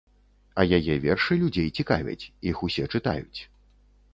А яе вершы людзей цікавяць, іх усе чытаюць.